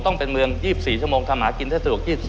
ต้องเป็นเมือง๒๔ชั่วโมงทำหากินถ้าสะดวก๒๐